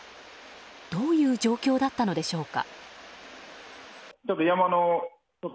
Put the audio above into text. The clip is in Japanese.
どういう状況だったのでしょうか。